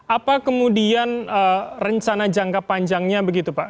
apa kemudian rencana jangka panjangnya begitu pak